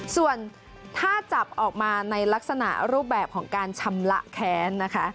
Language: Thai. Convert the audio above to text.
ส่วนถ้าจับออกมาในลักษณะรูปแบบของการชำระแค้นนะคะ